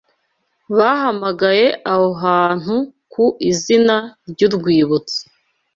bahamagaye aho hantu Ku izina ryurwibutso